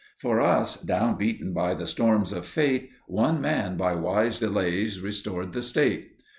For us, down beaten by the storms of fate, One man by wise delays restored the State.